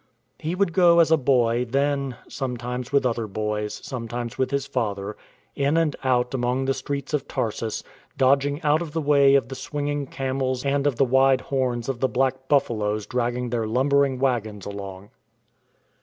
He would go as a boy, then — sometimes with other boys, sometimes with his father — in and out among the streets of Tarsus, dodging out of the way of the swinging camels and of the wide horns of the black buffaloes dragging their lumbering wagons along.